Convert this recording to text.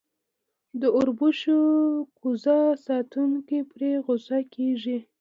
د اوربشو کوزه ساتونکی پرې غصه کېږي.